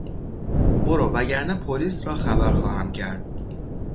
برو وگرنه پلیس را خبر خواهم کرد!